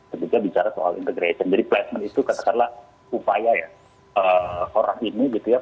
ketika bicara soal integration jadi placement itu katakanlah upaya ya orang ini gitu ya